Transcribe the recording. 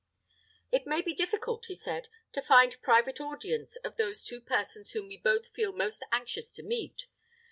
"It may be difficult," he said, "to find private audience of those two persons whom we both feel most anxious to meet.